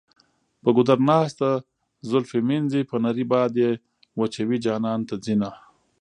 په ګودر ناسته زلفې مینځي په نري باد یې وچوي جانان ته ځینه.